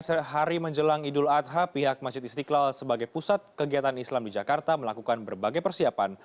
sehari menjelang idul adha pihak masjid istiqlal sebagai pusat kegiatan islam di jakarta melakukan berbagai persiapan